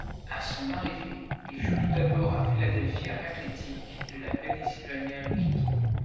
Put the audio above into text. À son arrivée, il joue tout d'abord à Philadelphia Athletic de la Pennsylvania League.